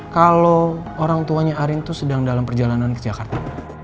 kalau orang tuanya arin itu sedang dalam perjalanan ke jakarta